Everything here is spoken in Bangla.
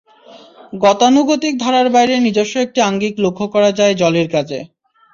গতানুগতিক ধারার বাইরে নিজস্ব একটি আঙ্গিক লক্ষ করা যায় জলির কাজে।